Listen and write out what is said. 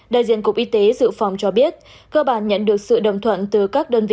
đại diện cục y tế dự phòng cho biết cơ bản nhận được sự đồng thuận từ các đơn vị